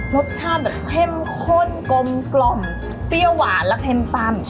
รสชาติแบบเข้มข้นกลมกล่อมเปรี้ยวหวานและเค็มตำ